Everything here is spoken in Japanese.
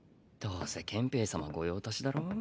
どうせ憲兵様御用達だろ？